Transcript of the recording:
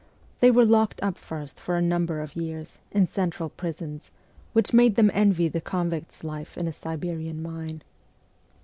They were locked up first for a number of years, in central prisons, which made them envy the convict's life in a Siberian mine.